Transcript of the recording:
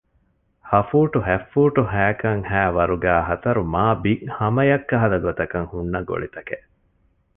ހަ ފޫޓު ހަތް ފޫޓު ހައިކަށް ހައި ވަރުގައި ހަތަރު މާބިތް ހަމަޔަށް ކަހަލަ ގޮތަކަށް ހުންނަ ގޮޅިތަކެއް